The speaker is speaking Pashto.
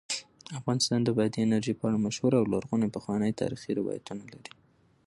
افغانستان د بادي انرژي په اړه مشهور او لرغوني پخواني تاریخی روایتونه لري.